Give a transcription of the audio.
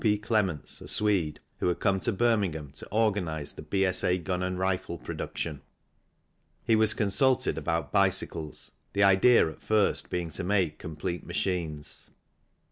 P. Clements, a Swede, who had come to Birmingham to organize the B.S.A. gun and rifle production. He was consulted about bicycles, the idea at first being to make complete machines.